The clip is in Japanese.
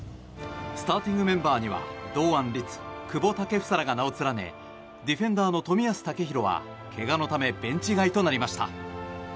スターティングメンバーには堂安律久保建英らが名を連ねディフェンダーの冨安健洋はけがのためベンチ外となりました。